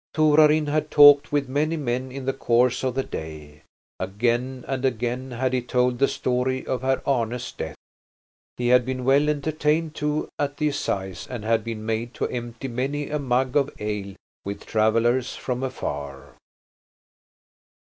Torarin had talked with many men in the course of the day; again and again had he told the story of Herr Arne's death. He had been well entertained too at the assize and had been made to empty many a mug of ale with travellers from afar.